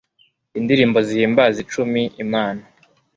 indirimbo zihimbaza icumi Imana